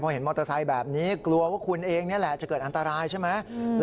เห็นมอเตอร์ไซค์แบบนี้กลัวว่าคุณเองนี่แหละจะเกิดอันตรายใช่ไหม